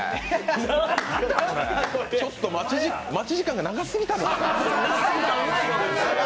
ちょっと待ち時間が長すぎたんじゃない？